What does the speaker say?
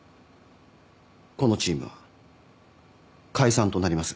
このチームは解散となります。